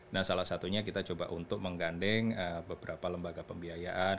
nah salah satunya kita coba untuk menggandeng beberapa lembaga pembiayaan